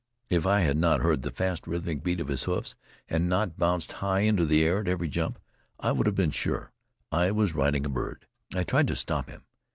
If I had not heard the fast rhythmic beat of his hoofs, and had not bounced high into the air at every jump, I would have been sure I was riding a bird. I tried to stop him.